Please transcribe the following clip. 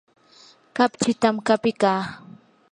kapchitam qapikaa.